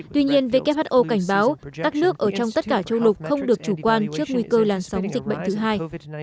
tuy nhiên who cảnh báo các nước ở trong tất cả châu lục không được chủ quan trước nguy cơ làn sóng dịch bệnh thứ hai